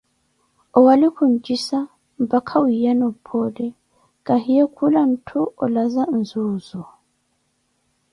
owali kiunjisa, mpaka wiiyana ophoole, kahiye khula etthu olaza nzuuzu.